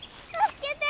助けて。